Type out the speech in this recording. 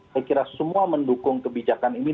saya kira semua mendukung kebijakan ini